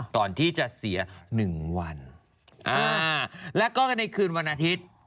ก่อนที่จะเสีย๑วันแล้วก็ในคืนวันอาทิตย์